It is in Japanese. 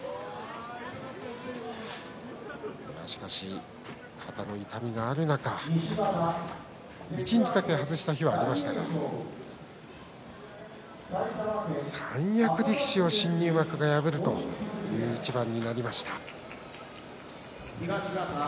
しかし肩の痛みがある中一日だけ外した日はありましたが三役力士を新入幕が破るという一番になりました。